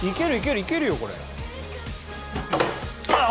いけるよこれ。